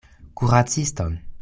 Kuraciston!